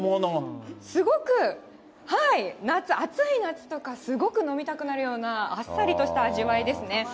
すごく、夏、暑い夏とか、すごく飲みたくなるような、あっさりとした味わいですね。